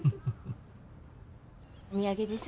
お土産です。